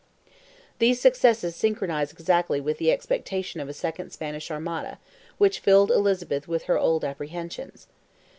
These successes synchronize exactly with the expectation of a second Spanish Armada, which filled Elizabeth with her old apprehensions.